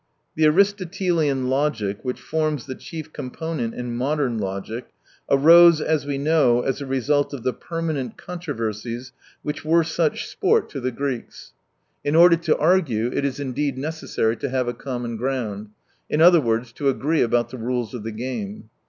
The Aristotelian logic, which forms the chief component in modern logic, arose, as we know, as a result of the permanent controversies which were such sport to the 64 Greeks. In order to argue, it is indeed necessary to have a common ground; in other words, to agree about the rules of the game.